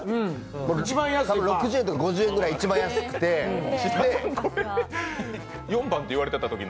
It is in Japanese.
多分６０円とか５０円ぐらい一番安くてこれ「４番」って言われてたときの？